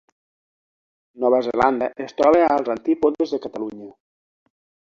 Nova Zelanda es troba als antípodes de Catalunya.